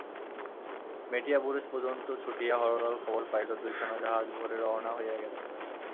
মেটিয়াবুরুজ পর্যন্ত ছুটিয়া হরলাল খবর পাইল দুইখানা জাহাজ ভোরে রওনা হইয়া গেছে।